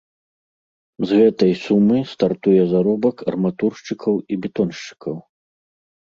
З гэтай сумы стартуе заробак арматуршчыкаў і бетоншчыкаў.